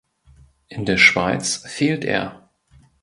In der Schweiz fehlt er.